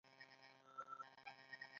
د کوکنارو پر ځای د میوو باغونه جوړیږي.